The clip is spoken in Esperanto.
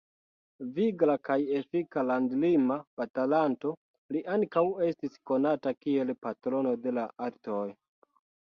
Vigla kaj efika landlima batalanto, li ankaŭ estis konata kiel patrono de la artoj.